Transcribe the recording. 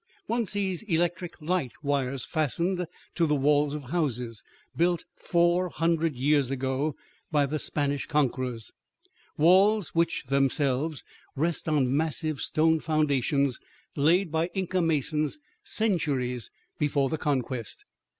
One sees electric light wires fastened to the walls of houses built four hundred years ago by the Spanish conquerors, walls which themselves rest on massive stone foundations laid by Inca masons centuries before the conquest.